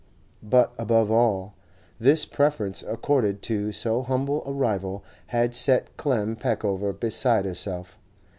But above all, this preference accorded to so humble a rival had set Clem Peckover beside herself.